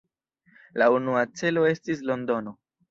La unua celo estis Londono.